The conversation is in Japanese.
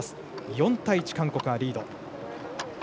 ４対１、韓国がリード。